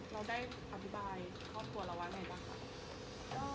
เราได้อธิบายครอบครัวเราว่าไงบ้างคะ